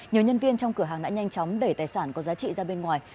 nhiều nhân viên trong cửa hàng đã nhanh chóng đẩy tài sản có giá trị ra bên ngoài